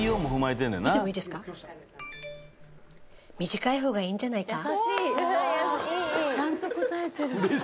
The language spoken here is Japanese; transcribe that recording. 「短い方がいいんじゃないか？」